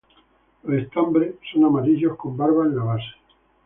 Los estambres son amarillos con barba en la base.